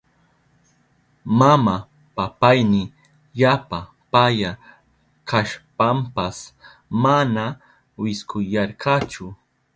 Mama payayni yapa paya kashpanpas mana wiskuyarkachu.